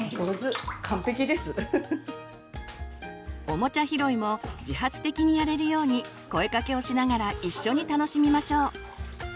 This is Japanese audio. オモチャ拾いも自発的にやれるように声かけをしながら一緒に楽しみましょう。